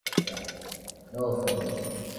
ya Kijojiajia Kiwango cha chini cha mfumo wa